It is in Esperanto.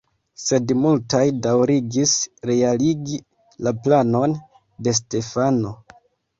Sed multaj daŭrigis realigi la planon de Stefano.